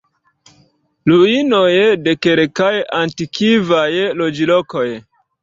Ruinoj de kelkaj antikvaj loĝlokoj.